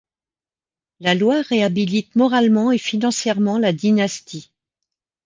La loi réhabilite moralement et financièrement la dynastie.